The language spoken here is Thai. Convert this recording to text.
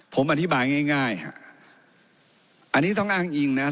ผมอธิบายง่ายฮะอันนี้ต้องอ้างอิงนะ